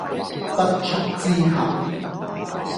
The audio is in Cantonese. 不速之客